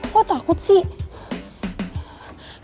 lo takut sih